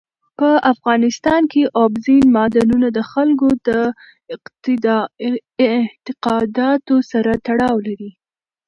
په افغانستان کې اوبزین معدنونه د خلکو د اعتقاداتو سره تړاو لري.